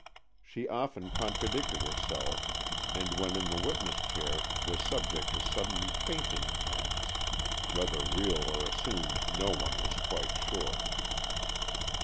She often contradicted herself, and when in the witness chair was subject to sudden fainting attacks, whether real or assumed no one was quite sure.